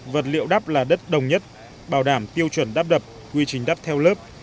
vật liệu đắp là đất đồng nhất bảo đảm tiêu chuẩn đắp đập quy trình đắp theo lớp